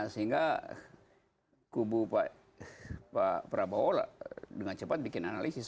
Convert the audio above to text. sehingga kubu pak prabowo dengan cepat bikin analisis